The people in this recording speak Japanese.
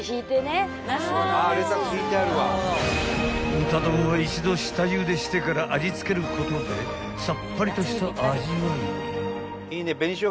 ［豚丼は一度下ゆでしてから味付けることでさっぱりとした味わいに］